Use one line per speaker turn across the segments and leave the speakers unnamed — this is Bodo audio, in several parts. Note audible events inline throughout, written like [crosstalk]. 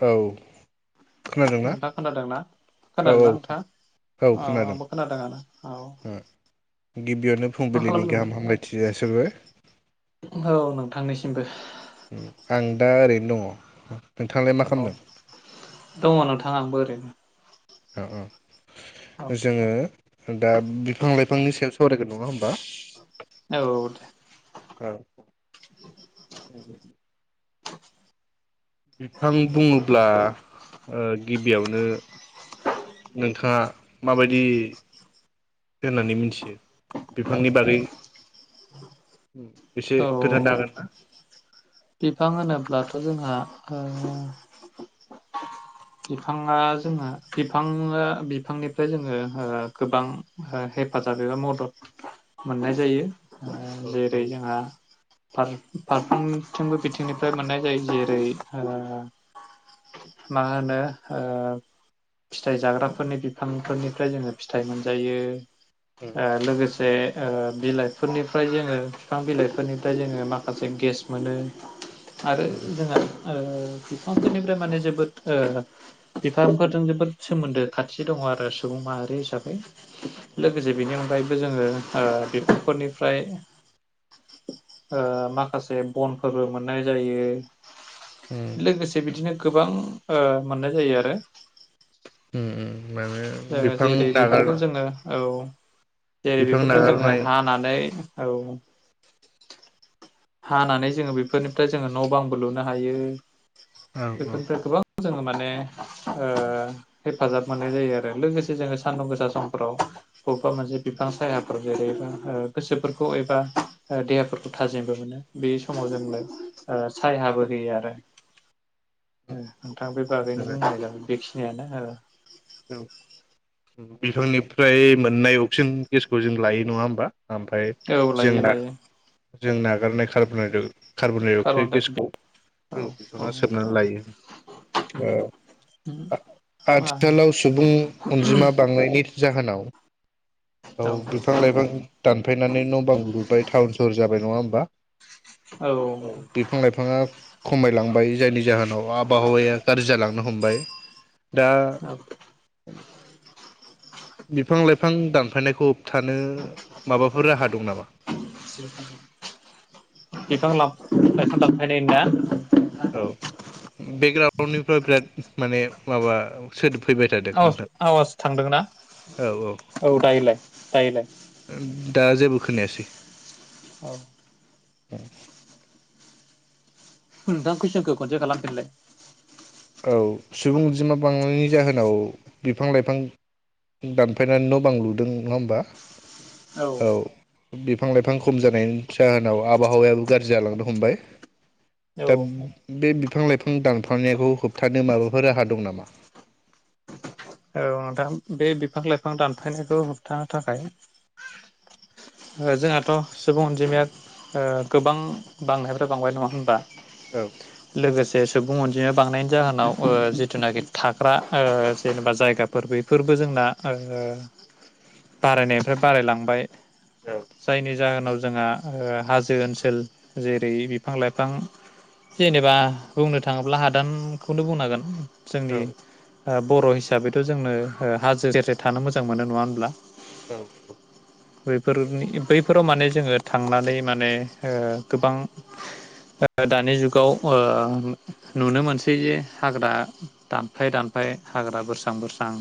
औ खोनादोंना
नोंथां खोनादोंना
औ औ
खोनादोंना नोंथाङा औ आंबो खोनादोंनो औ
ओ गिबियावनो
मा
फुंबिलिनि
खालामदों
गाहाम हामलायथि जासिहरबाय
औ नोंथांनिसि बो
आं दा ओरैनो दङ। नोंथाङालाय मा
औ
खालामदों
दङ नोंथाङा आंबो ओरै
अ औ
औ
जोङो दा बिफां लाइ बिफांनि सायाव सावरायगोन नङा होमबा
औ दे।
औ [unintelligible] बिफां बुङोब्ला ओ गिबियावनो नोंथाङा माबायदि होननानै मिथियो बिफांनि बागै एसे
औ
खोनथानो हागोन ना
बिफां होनोब्लाथ जोंहा ओ बिफाङा जोहा बिफाङा बिफांनिफ्राय जोङो गोबां हेफाजाब एबा मदद मोननाय जायो ओ
औ औ
जेरै जोंहा फार-फ्रोमबो बिथिंनिफ्राय मोननाय जायो जेरै ओ मा होनो ओ फिथाइ जाग्राफोरनि बिफांफोरनिफ्राय जोङो फिथाइ मोनजायो
उम
ओ लोगोसे बिलाइफोरनिफ्राय ओ जोङो बिफां बिलाइफोरनिफ्राय जोङो माखासे गेस मोनो आरो
उम
जोंहा ओ बिफांफोरनिफ्राय माने जोबोद ओ बिफांफोरजों जोबोद सोमोन्दो खाथि दङ आरो सुबुं माहारि हिसाबै लोगोसे बेनि अनगायैबो जोङो ओ बिफांफोरनिफ्राय ओ माखासे बनफोरबो मोननाय जायो
उम
लोगोसे बिदिनो गोबां ओ मोननाय जायो आरो
उम माने
ओ
बिफां
जेरै
नागार
बेफोरखौ जोङो औ जेरै
बिफां
बेफोरखौ जोङो
नागारनाय
हानानै औ हानानै जोङो बेफोरनिफ्राय जोङो नबांबो लुनो हायो
औ
बेफोरनिफ्राय गोबां जोङो मान ने ओ हेफाजाब मोननाय जायो आरो लोगोसे जोङो सानदुं गोसा समफ्राव बबेबा मोनसे बिफां साया जा ओ गोसोफोरखौ एबा देहाफोरखौ थाजिम मोनो बे समाव जोंनो ओ सायहाबो होयो आरो नोंथां बे बागैनो
औ
बुंनाय जागोन बेखि बे नो
औ बिफांनिफ्राय मोननाय अक्सिजेन गेसखौ जों लायो नङा होमबा। ओमफ्राय
औ लायो
जोंना
लायो
जों नागारनाय खारबोनायदों कार्बन डाइ अक्साइड गेसखौ
औ
बिफाङा सोबनानै लायो आ ओनसोलाव सुबुं अनजिमा बांनायनि जाहोनाव औ बिफां लाइफां दानफायनानै न'बां लुबाय टाउन सहर जाबाय नङा होम बा औ बिफां लायफाङा खमायलांबाय जायनि जाहोन आव आबहावाया गाज्रि जालांनो हमबाय दा
औ
बिफां लाइफां दानफायनायखौ हमथानो माबाफोर राहा दं नामा।
औ बिफां ला-लाइफां दानफायनायना
बेकग्रावउन्डनिफ्राय बिराद माने माबा सोदोब फैबाय थादों नोंथां
आवास-आवास थांदोंना औ दायोलाय-दायोलाय
दा जेबो खोनायासै
औ
[unintelligible]
दा खुयसनखौ खनसे खालाम फिनलाय
औ सुबुं अनजिमा बांनायनि जाहोनाव बिफां लाइफां दानफायनानै न' बां लुदों नङा होमबा
औ
बिफां लाइफां खम जानायनि जाहोनाव आबहावायाबो गाज्रि जालांनो हमबाय
औ
दा बे बिफां लाइफां दानफानायखौ होबथानो माबाफोर राहा दं नामा
दं नोंथां बे बिफां लाइफां दानफायनायखौ होबथानो थाखाय जोंहाथ' सुबुं अनजिमाया ओ गोबां बांनायफ्राय बांबाय नङा होनबा।
औ
लोगोसे सुबुं अनजिमा बांनायनि जाहोनाव ओ जिथुनाखि थाग्रा ओ जेनेबा जायगा फोर बैफोरबो जोंना ओ बारायनायनिफ्राय बारायलांबाय
औ
जायनि जाहोनाव जोंहा ओ हाजो ओनसोल जेरै बिफां लाइफां जेनेबा बुंनो थाङोब्ला हादानखौनो बुंनांगोन। जोंनि
औ
ओ बर' हिसाबै थ' जोंनो ओ हाजो सेर सेर थानो मोजां मोनो नङा होनोमब्ला।
औ
बेफोरनि बैफोराव माने जोंङो थांनानै माने ओ गोबां दानि जुगाव नुनो मोनसै जे हाग्रा दानफाय-दानफाय हाग्रा बोर स्रां-बोरस्रां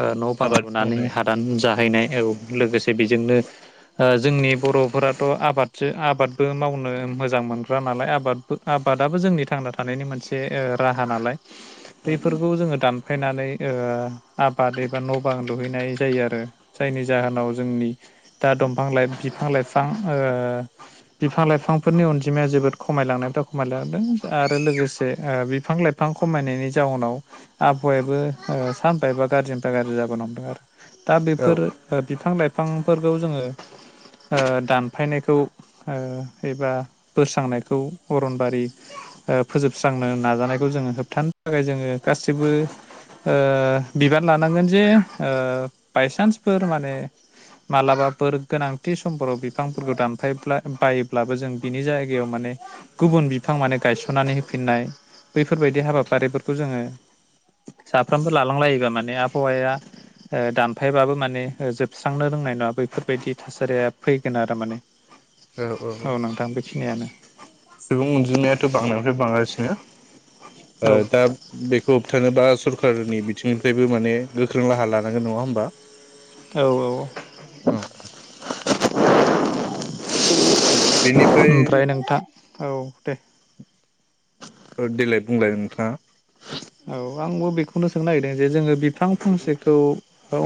ओ न'बां
आबाद
लुनानै
मावनाय
हादान जाहैनाय औ लोगोसे बेजोंनो ओ जोंनि बर'फोराथ' आबादसो आबादबो मावनो मोजां मोनग्रा नालाय आबाद आबादाबो जोंनि थांना थानायनि मोनसे ओ- राहा नालाय बैफोरखौ जोङो दानफायनानै। ओ-आबाद एबा न' बां लुहैनाय जायो आरो जायनि जाहोनाव जोंनि दा दंफां लाइ-बिफां लाइफां ओ- बिफां लाइफांफोरनि अनजिमाया जोबोद खमायलांनायनिफ्राय खमायलांदों आरो लोगोसे ओ-बिफां लाइफां खमायनायनि जााहोनाव। आबहावायाबो ओ सानफा एफा गाज्रिनिफ्राय गाज्रि जाबोनो हमदों आरो। दा
औ
बेफोर ओ-बिफां लाइफ फांफोरखौ जोङो ओ- दानफायनायखौ ओ-एबा बोस्रांनायखौ अरनबारि ओ-फोजोबस्रांनो नाजानायखौ जोङो होबथानो थाखाय जोङो गासिबो। ओ-बिबान लानांगोन जे ओ- बायसान्सफोर माने मालाबाफोर गोनांथि समफोराव बिफांफोरखौ दानफाय बायोब्लाबो जों बिनि जायगायाव माने गुबुन बिफां माने गायसननानै होफिननाय बैफोरबायदि हाबाफारिफोरखौ जोङो। साफ्रोमबो लालांलायोबा माने आबहावाया ओ- दानफायबाबो माने ओ-जोबस्रांनो रोंनाय नङा बैफोरबायदि थासारिया फैगोन आरो माने।
औ औ औ
नोंथां बेखिनियानो
सुबुं अनजिमाथ' बांनायनिफ्राय बांगासिनो। ओ
औ
दा बेखौ होबथानोबा सरका रनि बिथिंनिफ्रायबो माने गोख्रों राहा लानांगोन नङा होमबा?
औ औ। ओमफ्राय नोंथां
बिनिफ्राय।
औ दे।
ओ- देलाय बुंलाय नोंथाङा।
औ आंबो बेखौनो सोंनो नागिरदों जे जोङो बिफां फांसेखौ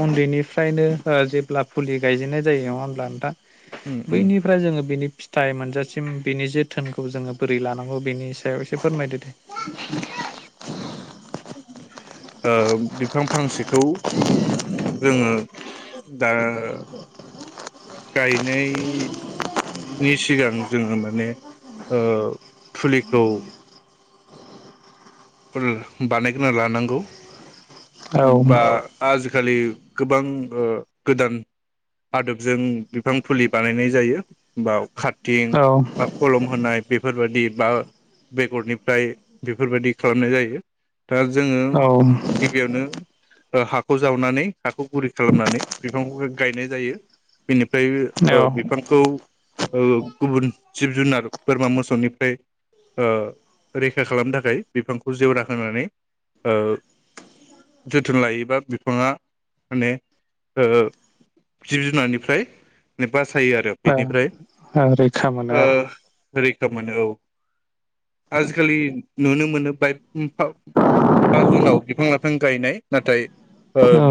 उन्दैनिफ्रायनो ओ- जेब्ला फुलि गायजेननाय जायो नङा होमब्ला नोंथां?
उम उम
बैनिफ्राय जोङो बेनि फिथाइ मोनजासिम बेनि जोथोनखौ जोङो बोरै लानांगौ बेनि सायाव एसे फोरमायदो दे।
औ ओ- बिफां फांसेखौ जोङो दा गायनाय नि सिगां जोङो माने ओ- फुलिखौ। फोर बानायग्रोना लानांगौ।
औ
बा आज खालि गोबां ओ- गोदान आदोबजों बिफां फुलि बानायनाय जायो। बा [unintelligible] थिं
औ
बा कलम होनाय। बेफोरबादि बा बेगरनिफ्राय बेफोरबादि। खालामनाय जायो। दा जोङो गिबियावनो। ओ हाखौ जावनानै। हाखौ गुरै खालामनानै बिफांखौहाय। गायनाय जायो। बिनिफ्राय
औ
ओ-बिफांखौ। ओ गुबुन जिब जुनार बोरमा मोसौनिफ्राय ओ- रैखा खालामनो थाखाय। बिफांखौ जेवरा होनानै ओ-जोथोन लायोबा बिफाङा माने ओ-जिब जुनारनिफ्राय माने।
ओ हो रैखा
ओ
मोनो आरो।
रैखा मोनो औ आजिखालि नुनो। मोनो [unintelligible] [unintelligible] जुनाव बिफां लाइफां गायनाय नाथाय ओ
औ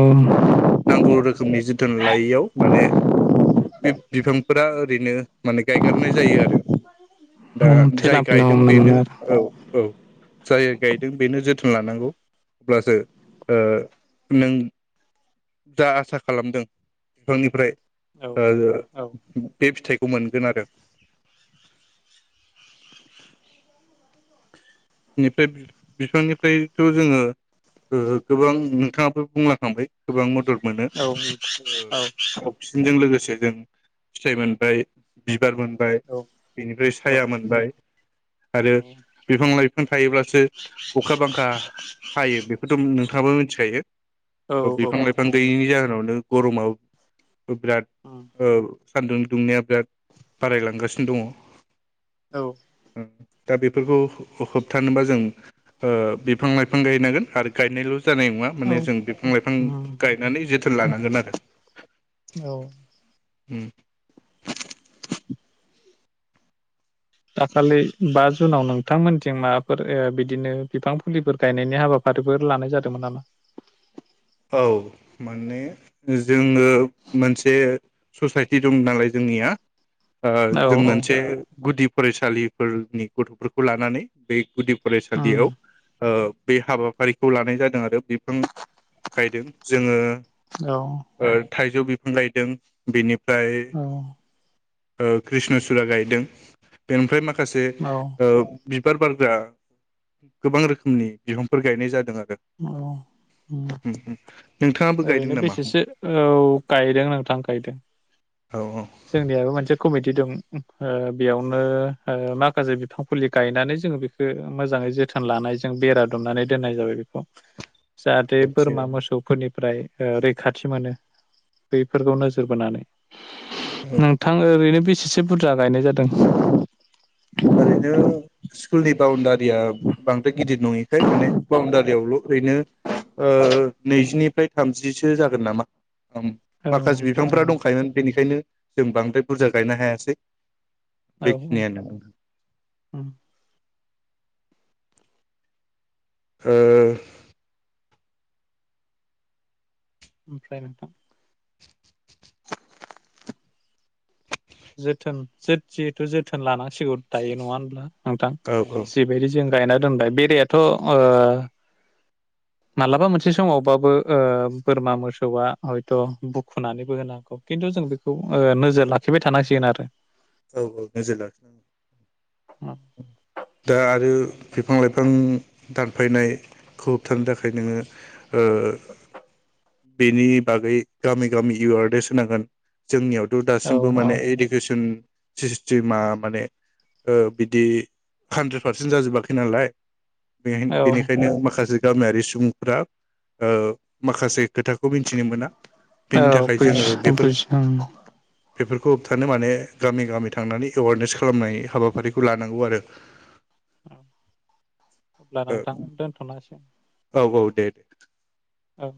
नांगौ रोखोमनि जोथोन लायैयाव माने बे बिफांफोरा। ओरैनो। माने गायगारनाय जायो आरो दा जाय
थैलांफिननो
गायदों
हमनो मोनो
बेनो
आरो
औ औ जाया गायदों बेनो जोथोन लानांगौ अब्लासो ओ नों जा आसा खालामदों बिफांनिफ्राय
औ
ओ बे फिथाइ खौ मोनगोनआरो। बेनिफ्राय बि बिफांनिफ्रायथ' जोङो ओ गोबां नोंथाङाबो बुंलांखांबाय गोबां मदद मोनो ओ अक्सिजेनजों लोगोसे जों फिथाइ मोनबाय बि बार मोनबाय
औ
बेनिफ्राय
औ
साया मोनबाय आरो बिफां लाइफां थायोब्लासो अखा बांखा हायो बेखोथ' नोंथाङाबो मोनथिखायो।
औ
ओ बिफां लाइफां गैयिनि जाहोनावनो गर'माव ओ बिराद औ सान्दुं दुंनाया बिराद बारायलांगासिनो दङ।
औ।
दा बेफोरखौ हो-होबथानोबा जों ओ बिफां लाइफां गायनांगोन आरो गायनायल' जानाय नङा
औ
माने जों बिफां लाइफां गायनानै जोथोन लानांगोन आरो।
औ
उम।
दाखालै बा जुनाव नोंथांमोनथिं माबाफोर ओ बिदिनो बिफां फुलिफोर गायनायनि हाबाफारिफोर लानाय जादोंमोन नामा?
औ माने जोङो मोनसे ससाइटि दं नालाय जोंनिया ओ
औ
जों मोनसे गुदि फरायसालिफोरनि गथ'फोरखौ लानानै बे गुदि
उम
फरायसालियाव ओ बे हाबाफारिखौ लानाय जादों आरो बिफां गायदों जोङो
औ।
ओ थाइजौ बिफां गायदों बेनि फाय
औ
ओ क्रिषण'सुरा गायदों बेनिफ्राय माखा खासे
औ
ओ बिबार बारग्रा गोबां रोखोमनि बिफांफोर गायनाय जादों आर
औ उम।
नोंथाङाबो गायदों
ओरैनो
नामा
बेसेसो औ गायदों नोंथां गायदों।
औ
जोंनियाबो मोनसे कमिटि दं। ओ बेयावनो ओ माखासे बिफां फुलि गायनानै जोङो बेखो मोजाङै जोथोन लानाय जों बेरा दुमनानै दोननाय जाबाय बेखौ। जाहाथे
औ
बोरमा
थिगानो
मोसौफोरनि फ्राय ओ रैखाथि मोनो बैफोरखौ नोजोर बोनानै।
औ
नोंथां ओरैनो बेसेसो बुरजा गायनाय जादों।
आरोैनो सिकुलनि बाउण्डा रिया बांद्राय गिदिर नङिखाय माने बाउण्डारियावल' ओरैनो ओ नैजिनिफाय थामजिसो जागोन नामा। उम
औ
माखासे बिफांफ्रा दंखायोमोन बेनिखायनो जों बांद्राय बुरजा गायनो हायासै।
औ
बेखिनियानो आरो।
उम।
ओ
ओमफ्राय नोंथां जोथोन जिहेथु जोथोन लानांसिगौ दायो नङा होनब्ला? नोंथां
औ
जिबायदि जों गायना दोनबाय बेरायाथ' ओ मालाबा मोनसे समावबाबो ओ बोरमा मोसौआ हयथ' बुखुनानैबो होनो हागौ खिन्थु जों बेखौ ओ नोजोर ला खिबाय थानांसिगोन आरो।
औ औ नोजोर लाखिनांगोन दा आरो बिफां लाइफां दानफायनायखौ होबथानो थाखाय नोङो ओ। बेनि बागै गामि गामि एवारनेस होनांगोन जोंनियाव थ'
औ
दासिमबो माने इडुकेसन सिसटिमा माने ओ बिदि हान्द्रेद पार्सेन्ट जाजोबाखै नालाय बे
औ
बेनिखायनो माखासे गामियारि सुबुं दा ओ माखासे खोथाखौ मिथिनो मोना
औ
बेनि थाखाय
बुजि
जोङो बेफोर
बुजि
बेफोरखौ होबथानो माने गामि गामि थांनानै एवारनेस खालामनाय हाबाफारिखौ लानांगौ आरो
औ। अब्ला नोंथां दोन्थ'नांसिगोन।
औ औ दे दे।
औ।